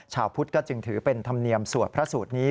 ชาวพุทธก็จึงถือเป็นธรรมเนียมสวดพระสูตรนี้